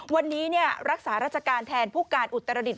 วันนี้รักษาราชการแทนผู้การอุตรดิษฐ